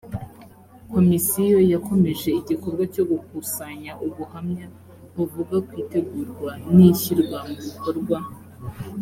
komisiyo yakomeje igikorwa cyo gukusanya ubuhamya buvuga ku itegurwa n ishyirwa mu bikorwa